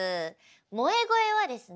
萌え声はですね